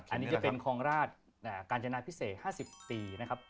อันนี้จะเป็นคลองราชกาญจนาพิเศษ๕๐ปีนะครับ